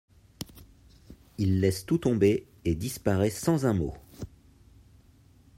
Il laisse tout tomber, et disparait sans un mot.